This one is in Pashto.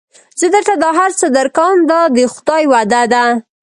زه درته دا هر څه درکوم دا د خدای وعده ده.